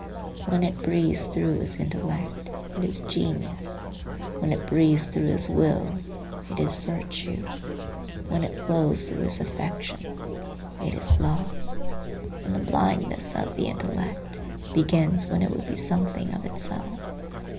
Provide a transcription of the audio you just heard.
When it breathes through his intellect, it is genius; when it breathes through his will, it is virtue; when it flows through his affection, it is love. And the blindness of the intellect begins when it would be something of itself.